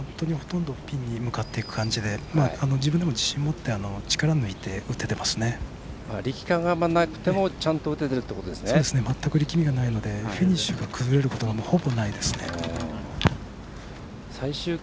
本当にほとんどピンに向かっていく感じで自分でも自信を持って力を抜いて力感がなくても全く力みがないのでフィニッシュが崩れることがほぼ、ないですね。